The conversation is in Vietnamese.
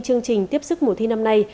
chương trình tiếp sức mùa thi năm nay